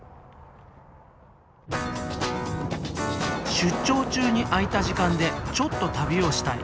出張中に空いた時間でちょっと旅をしたい。